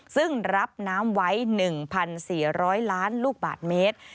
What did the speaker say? ซึ่งรับน้ำไว้๑๔๐๐ล้านลูกบาทเมตร